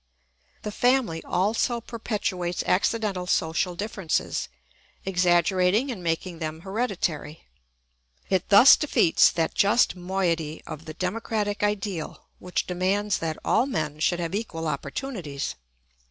] The family also perpetuates accidental social differences, exaggerating and making them hereditary; it thus defeats that just moiety of the democratic ideal which demands that all men should have equal opportunities.